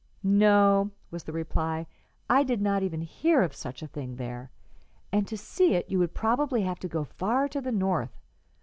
"No," was the reply, "I did not even hear of such a thing there, and to see it you would probably have to go far to the north.